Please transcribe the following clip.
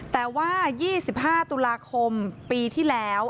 แต่ว่า๒๕ตุลาคมปีที่แล้ว